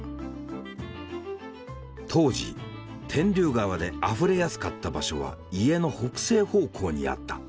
当時天竜川であふれやすかった場所は家の北西方向にあった。